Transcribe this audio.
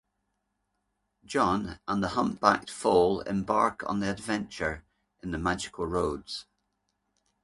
John and the Humpbacked Foal embark on an adventure in the Magical Roads.